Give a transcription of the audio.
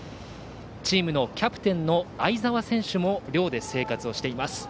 チームのキャプテンの相澤選手も寮で生活をしています。